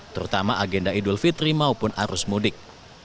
terutama agenda idul fitri maupun arus mudik